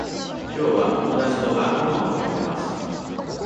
きょうは友達と晩ごはんを食べます。